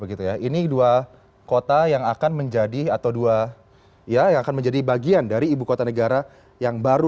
ini dua kota yang akan menjadi bagian dari ibu kota negara yang baru